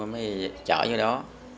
mới chở vô đó